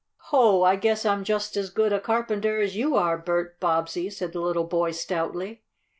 "Ho! I guess I'm just as good a carpenter as you are, Bert Bobbsey!" said the little boy stoutly.